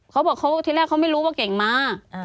เขาบอกเขาที่แรกเขาไม่รู้ว่าเก่งมา